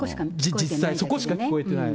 そこしか聞こえてない。